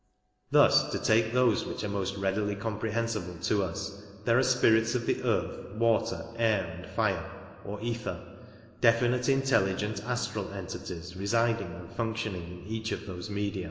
Thus, to take those which are most readily comprehensible to us, there are spirits of the earth, water, air, and fire (or ether) — definite intelligent astral entities residing and functioning in each of those media.